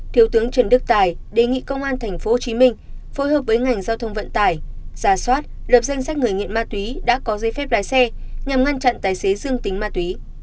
thiếu tướng trần đức tài đề nghị công an thành phố hồ chí minh phối hợp với ngành giao thông vận tải giả soát lập danh sách người nghiện mát túy đã có giấy phép lái xe nhằm ngăn chặn tài xế dương tính mát túy